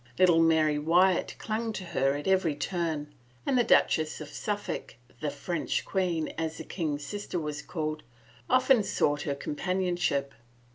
Little Mary Wyatt clung to her at every turn and the Duchess of Suffolk, the " French Queen," as the king's sister was called, often sought her companionship.